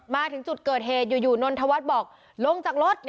มาถึงจุดเกิดเหตุอยู่นนทวัฒน์บอกลงจากรถ